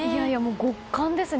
極寒ですね。